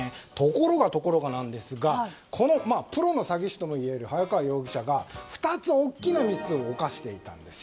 ところがなんですがプロの詐欺師ともいえる早川容疑者が２つ、大きなミスを犯していたんです。